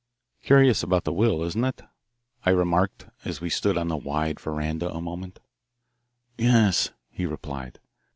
"Curious about the will, isn't it?" I remarked as we stood on the wide verandah a moment. "Yes," he replied.